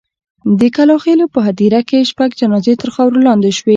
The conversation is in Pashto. د کلا خېلو په هدیره کې شپږ جنازې تر خاورو لاندې شوې.